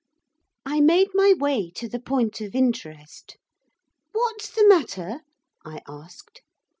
I made my way to the point of interest. 'What's the matter?' I asked.